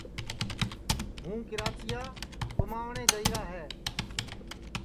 ہوں کراچی کُماٹؔے جائیرا ہے